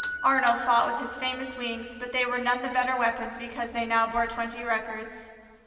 Arnaux fought with his famous wings, but they were none the better weapons because they now bore twenty records.